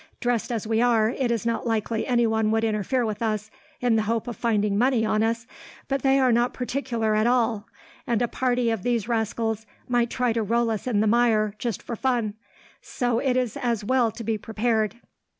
Dressed as we are, it is not likely anyone would interfere with us in the hope of finding money on us, but they are not particular at all, at all, and a party of these rascals might try to roll us in the mire, just for fun. So it is as well to be prepared."